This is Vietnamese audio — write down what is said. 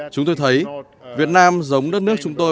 chúng tôi thấy việt nam giống đất nước chúng tôi